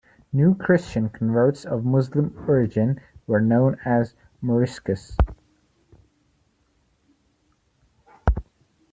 New Christian converts of Muslim origin were known as "moriscos".